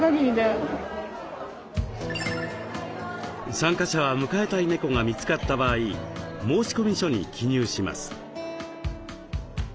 参加者は迎えたい猫が見つかった場合申込書に記入します。